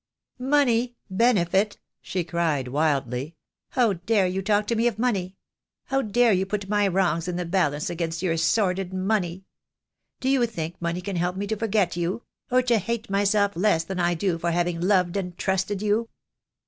"Money, benefit," she cried, wildly. "How dare you talk to me of money? How dare you put my wrongs in the balance against your sordid money? Do you think money can help me to forget you — or to hate myself less than I do for having loved and trusted you?"